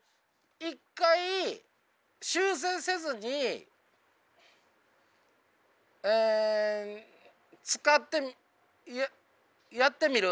一回修正せずにえ使ってやってみる。